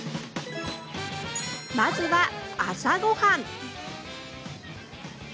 まずは、朝ごはん。